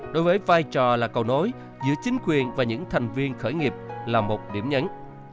đối với vai trò là cầu nối giữa chính quyền và những thành viên khởi nghiệp là một điểm nhấn